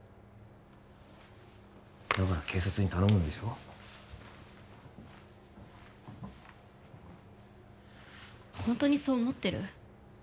だから警察に頼むんでしょホントにそう思ってる？